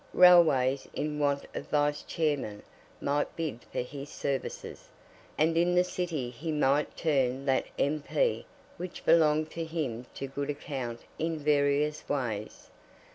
Railways in want of vice chairmen might bid for his services; and in the City he might turn that "M.P." which belonged to him to good account in various ways.